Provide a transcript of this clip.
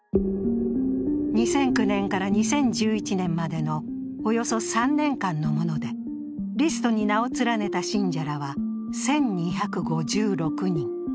２００９年から２０１１年までのおよそ３年間のものでリストに名を連ねた信者らは１２５６人。